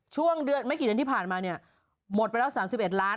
ช่วงเดือนไม่กี่เดือนที่ผ่านมาเนี่ยหมดไปแล้ว๓๑ล้าน